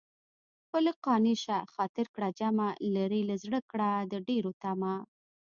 په لږ قانع شه خاطر کړه جمع لرې له زړه کړه د ډېرو طمع